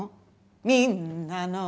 「みんなの」